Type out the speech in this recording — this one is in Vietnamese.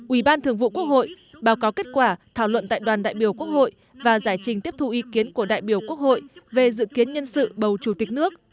ủy ban thường vụ quốc hội báo cáo kết quả thảo luận tại đoàn đại biểu quốc hội và giải trình tiếp thu ý kiến của đại biểu quốc hội về dự kiến nhân sự bầu chủ tịch nước